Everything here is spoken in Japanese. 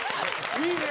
いいね！